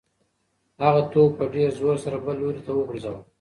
هغه توپ په ډېر زور سره بل لوري ته وغورځاوه.